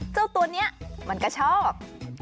เจ้าตัวนี้มันก็ชอบ